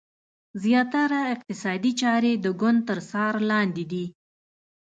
زیاتره اقتصادي چارې د ګوند تر څار لاندې دي.